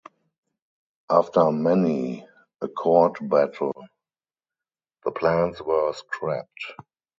After many a court battle, the plans were scrapped.